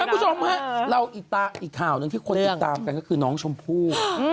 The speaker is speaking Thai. คุณผู้ชมฮะเราอีกข่าวหนึ่งที่คนติดตามกันก็คือน้องชมพู่